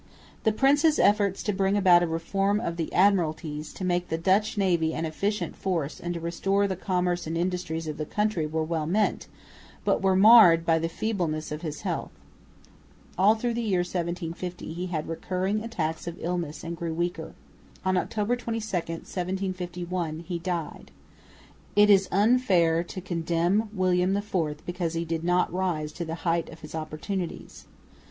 The prince's efforts to bring about a reform of the Admiralties, to make the Dutch navy an efficient force and to restore the commerce and industries of the country were well meant, but were marred by the feebleness of his health. All through the year 1750 he had recurring attacks of illness and grew weaker. On October 22, 1751, he died. It is unfair to condemn William IV because he did not rise to the height of his opportunities.